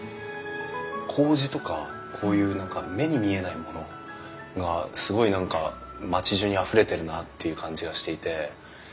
こうじとかこういう何か目に見えないものがすごい何か町じゅうにあふれてるなっていう感じがしていて。